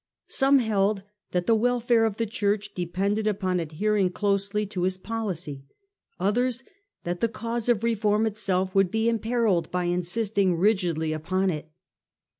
Some held that the welfare of the Church depended upon adhering closely to his policy : others that the cause of reform itself would be imperilled by insisting rigidly upon it.